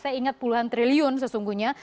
saya ingat puluhan triliun sesungguhnya